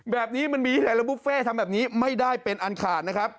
แบบนี้มันมีหลายบุฟเฟ่ทำแบบนี้ไม่ได้เป็นอันขาดนะครับ